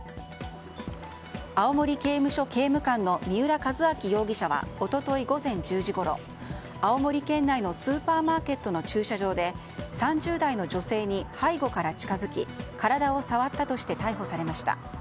青森刑務所刑務官の三浦一晃容疑者は一昨日午前１０時ごろ青森県内のスーパーマーケットの駐車場で３０代の女性に背後から近づき体を触ったとして逮捕されました。